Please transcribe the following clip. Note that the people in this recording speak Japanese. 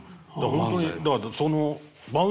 本当にだからその馬運